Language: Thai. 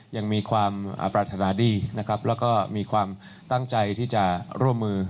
ยังมีความปรารถนาดีนะครับแล้วก็มีความตั้งใจที่จะร่วมมือ